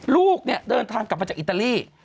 ลูกเนี่ยเดินทางกลับมาจากอิตาลี